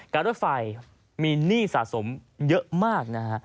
การรถไฟมีหนี้สะสมเยอะมาก